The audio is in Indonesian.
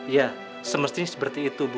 ya semestinya seperti itu bu